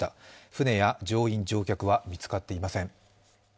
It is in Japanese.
船や乗員・乗客は見つかっていません。